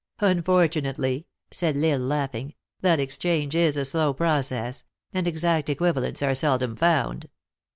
"Unfortunately," said L Isle, laughing, "that ex change is a slow process ; and exact equivalents are seldom found."